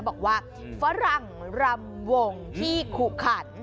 บอกว่าฝรั่งรำวงที่ขุขัน